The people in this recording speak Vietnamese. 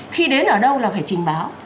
khi đến ở đâu là phải trình báo